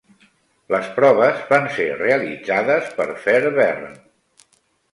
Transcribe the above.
Les proves van ser realitzades per Fairbairn.